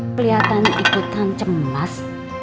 kelihatan ikutan cemas